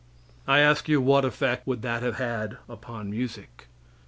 I ask you what effect would that have had upon music?